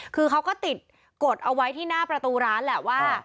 คือเขาก็ติดกดเอาไว้ที่หน้าประตูร้านแหละว่า